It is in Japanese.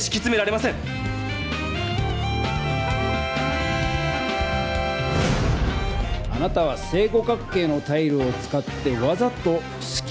あなたは正五角形のタイルを使ってわざとすきまを見せた。